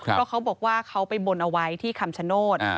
เพราะเขาบอกว่าเขาไปบนเอาไว้ที่คำชโนธ